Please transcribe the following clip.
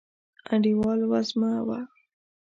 انډیوال وزمه و